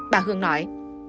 bà hương nói